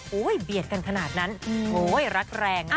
โอ้โหเบียดกันขนาดนั้นโอ้ยรักแรงนะ